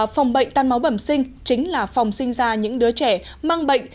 phòng bệnh tan máu bẩm sinh chính là phòng sinh ra những đứa trẻ mang bệnh